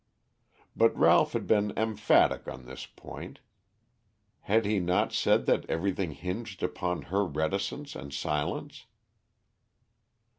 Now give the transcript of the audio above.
But Ralph had been emphatic on this point. Had he not said that everything hinged upon her reticence and silence?